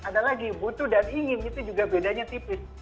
ada lagi butuh dan ingin itu juga bedanya tipis